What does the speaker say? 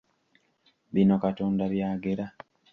Bino Katonda by'agera!